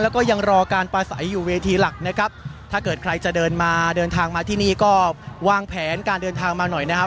แล้วก็ยังรอการประไสหรือเวทีหลักนะครับถ้าใครจะเดินทางมาที่นี้ก็วางแผนเที่ยวเลยนะครับ